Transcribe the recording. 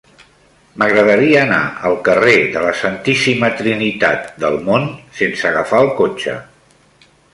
M'agradaria anar al carrer de la Santíssima Trinitat del Mont sense agafar el cotxe.